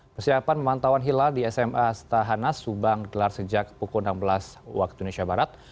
persiapan pemantauan hilal di sma setahanas subang gelar sejak pukul enam belas waktu indonesia barat